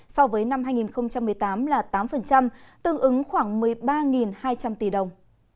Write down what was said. so với năm hai nghìn một mươi tám là tám tương ứng khoảng một mươi ba hai trăm linh tỷ đồng